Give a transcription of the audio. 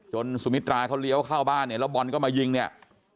สุมิตราเขาเลี้ยวเข้าบ้านเนี่ยแล้วบอลก็มายิงเนี่ย